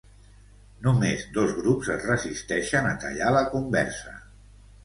Només dos grups es resisteixen a tallar la conversa.